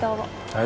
はい。